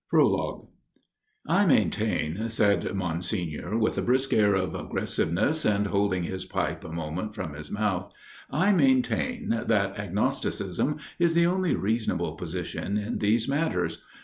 Prologue MAINTAIN," said Monsignor with a brisk air of aggressiveness and holding his pipe a moment from his mouth, " I maintain that agnosticism is the only reasonable position in these matters.